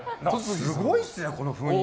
すごいですね、この雰囲気。